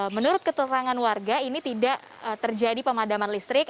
menurut keterangan warga ini tidak terjadi pemadaman listrik